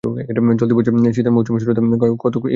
চলতি বছরেরই শীত মৌসুমের শুরুতে খায়বারের কতক ইহুদী মক্কায় যায়।